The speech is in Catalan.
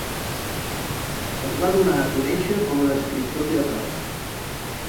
Es va donar a conèixer com a escriptor teatral.